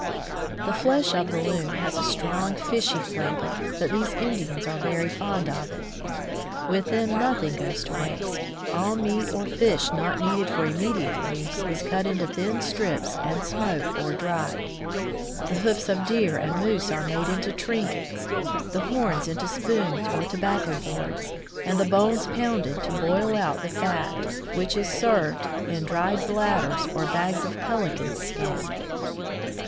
The flesh of the loon has a strong, fishy flavor, but these Indians are very fond of it. With them noth ing goes to waste ; all meat or fish not needed for inmiediate use is cut into thin strips and smoked or dried; the hoofs of deer and moose are made into trinkets, the horns into spoons or tobacco boards, and the bones pounded to boil out the fat, which is pre 176 Bdck to the Woods served in dried bladders or ba«s of pelican skin.